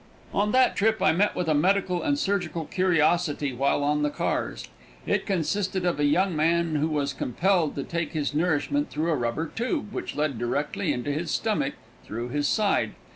On that trip I met with a medical and surgical curiosity while on the cars. It consisted of a young man who was compelled to take his nourishment through a rubber tube which led directly into his stomach through his side.